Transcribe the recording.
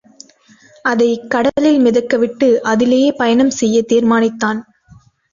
அதைக் கடலில் மிதக்க விட்டு, அதிலேயே பயனம் செய்யத் தீர்மானித்தான்.